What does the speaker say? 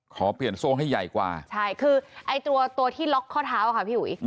ขอเปลี่ยนโซ่ให้ใหญ่กว่าใช่คือไอ้ตัวที่ล็อกข้อเท้าค่ะพี่อุ๋ย